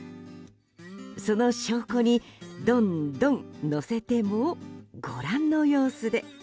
その証拠に、どんどん乗せてもご覧の様子で。